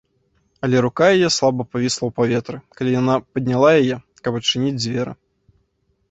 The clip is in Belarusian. Але рука яе слаба павісла ў паветры, калі яна падняла яе, каб адчыніць дзверы.